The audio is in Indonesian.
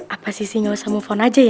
apa sih sih gak usah mau phone aja ya